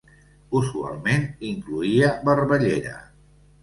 Usualment incloïa barballera.